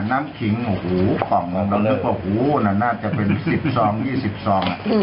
น้ำขิงโอ้โหของเราก็นึกว่าโอ้โหน่าจะเป็นสิบซองยี่สิบซองอ่ะ